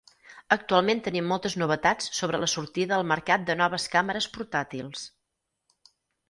Actualment tenim moltes novetats sobre la sortida al mercat de noves càmeres portàtils.